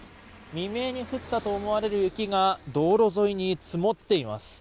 未明に降ったと思われる雪が道路沿いに積もっています。